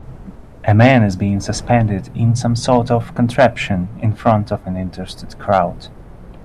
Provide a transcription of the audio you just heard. A man is being suspended in some sort of contraption in front of an interested crowd.